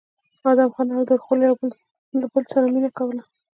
ادم خان او درخو له د بل سره مينه کوله